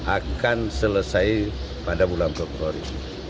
akan selesai pada bulan februari